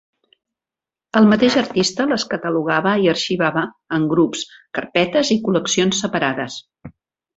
El mateix artista les catalogava i arxivava en grups, carpetes i col·leccions separades.